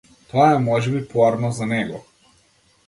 Тоа е можеби поарно за него.